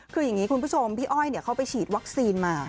คืออย่างนี้คุณผู้ชมพี่อ้อยเขาไปฉีดวัคซีนมา